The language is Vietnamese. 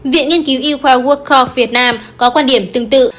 viện nghiên cứu y khoa woodcock việt nam có quan điểm tương tự